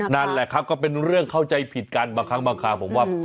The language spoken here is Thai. นั่นแหละครับก็เป็นเรื่องเข้าใจผิดกันบางครั้งบางคราวผมว่า